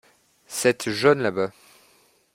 Cette jaune là-bas.